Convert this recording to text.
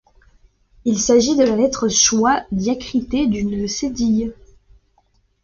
Il s’agit de la lettre schwa diacritée d’une cédille.